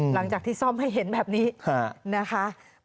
หลังจากที่ซ่อมให้เห็นแบบนี้นะคะ